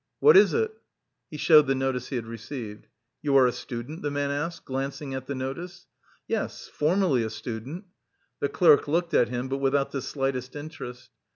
"What is it?" He showed the notice he had received. "You are a student?" the man asked, glancing at the notice. "Yes, formerly a student." The clerk looked at him, but without the slightest interest.